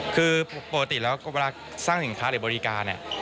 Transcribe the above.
คือปกติแล้วเวลาสร้างสินค้าหรือบริการเนี่ย